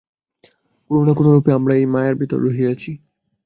কোন না কোনরূপে আমরা এই মায়ার ভিতর রহিয়াছি।